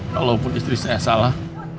kalaupun istri saya salah